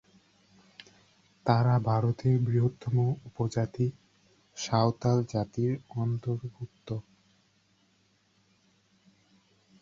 তারা ভারতের বৃহত্তম উপজাতি- সাঁওতাল জাতির অন্তর্ভুক্ত।